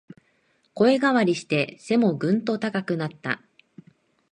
声変わりして背もぐんと高くなった